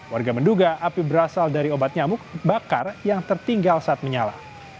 warga menduga api berasal dari obat nyamuk bakar yang tertinggal saat menyala